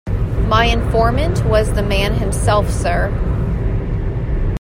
My informant was the man himself, sir.